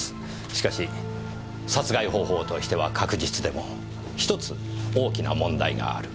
しかし殺害方法としては確実でも１つ大きな問題がある。